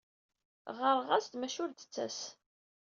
Ɣɣareɣ-as-d, maca ur d-tettas.